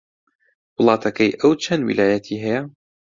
وڵاتەکەی ئەو چەند ویلایەتی هەیە؟